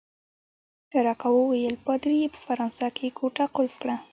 روکا وویل: پادري يې په فرانسه کې کوټه قلف کړه.